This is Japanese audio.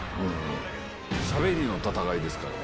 しゃべりの戦いですからね。